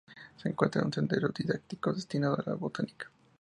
Se encuentra un sendero didáctico destinado a la botánica.